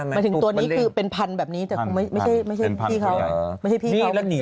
หมายถึงตัวนี้เป็นพันธุ์แบบนี้แต่ไม่ใช่พี่เขา